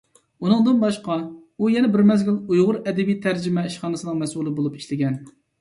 ئۇنىڭدىن باشقا، ئۇ يەنە بىر مەزگىل ئۇيغۇر ئەدەبىي تەرجىمە ئىشخانىسىنىڭ مەسئۇلى بولۇپ ئىشلىگەن.